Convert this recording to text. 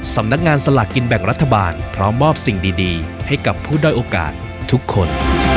สำนักงานสลากกินแบ่งรัฐบาลพร้อมมอบสิ่งดีให้กับผู้ด้อยโอกาสทุกคน